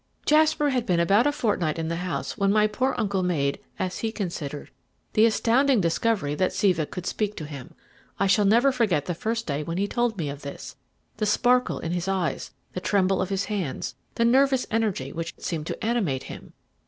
"Jasper had been about a fortnight in the house when my poor uncle made, as he considered, the astounding discovery that Siva could speak to him. I shall never forget the first day when he told me of this, the sparkle in his eyes, the tremble of his hands, the nervous energy which seemed to animate him.